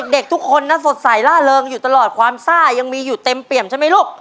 เด็กทุกคนนะสดใสล่าเริงอยู่ตลอดความซ่ายังมีอยู่เต็มเปี่ยมใช่ไหมลูก